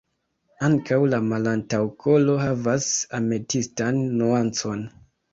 Ankaŭ la malantaŭkolo havas ametistan nuancon.